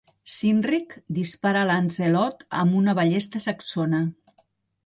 Cynric dispara a Lancelot amb una ballesta saxona.